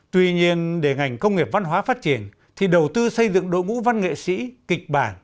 tuy nhiên để ngành công nghiệp văn hóa phát triển thì đầu tư xây dựng đội ngũ văn nghệ sĩ kịch bản